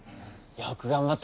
よく頑張った！